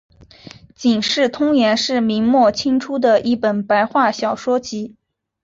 警世通言是明末清初的一本白话小说集。